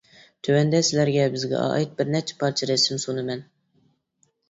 تۆۋەندە سىلەرگە بىزگە ئائىت بىرنەچچە پارچە رەسىم سۇنىمەن.